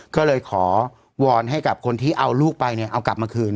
ก็เลยขอวอนให้กับคนที่เอาลูกไปเนี่ยเอากลับมาคืน